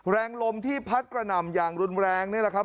แรงลมที่พัดกระหน่ำอย่างรุนแรงนี่แหละครับ